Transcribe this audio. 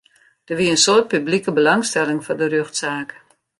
Der wie in soad publike belangstelling foar de rjochtsaak.